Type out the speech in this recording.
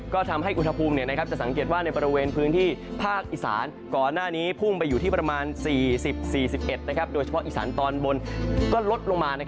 ก็ทำให้อุณหภูมิจะสังเกตว่าในบริเวณพื้นที่ภาคอีสานก่อนหน้านี้พุ่งไปอยู่ที่ประมาณ๔๐๔๑โดยเฉพาะอีสานตอนบนก็ลดลงมา